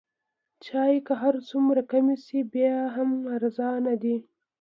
چای که هر څومره کم شي بیا هم ارزانه دی.